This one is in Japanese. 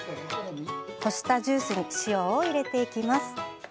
こしたジュースに塩を入れます。